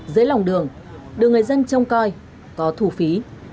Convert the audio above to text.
dưới lòng đường đường người dân trông coi có thủ phí